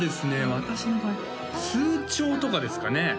私の場合通帳とかですかね